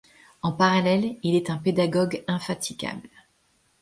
En parallèle il est un pédagogue infatigable.